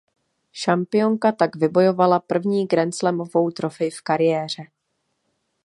Šampionka tak vybojovala první grandslamovou trofej v kariéře.